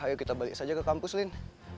ayo kita balik saja ke kampus lain